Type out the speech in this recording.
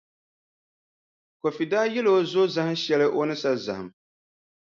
Kofi daa yɛli o zo zahinʼ shɛli o ni sa zahim.